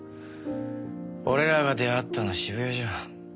俺らが出会ったの渋谷じゃん。